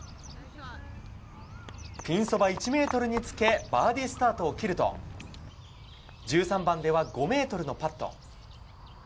ピンそば１ｍにつけバーディースタートを切ると１３番では５ｍのパット。